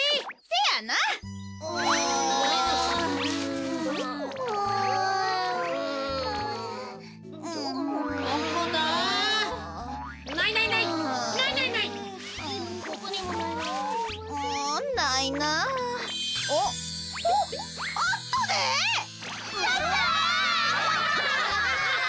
やった！